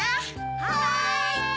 はい！